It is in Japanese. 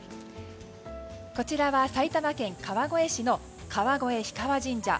こちらは埼玉県川越市の川越氷川神社。